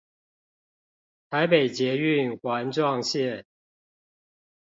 臺北捷運環狀線